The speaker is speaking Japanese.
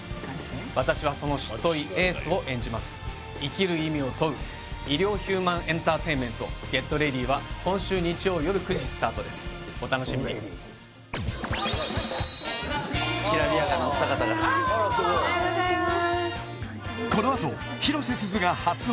私はその執刀医エースを演じます生きる意味を問う医療ヒューマンエンターテインメント「ＧｅｔＲｅａｄｙ！」は今週日曜よる９時スタートですお楽しみにきらびやかなお二方がおはようございまーす